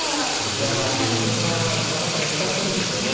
いやそれがなかなか難しいんですよね。